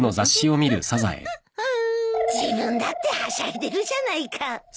自分だってはしゃいでるじゃないか。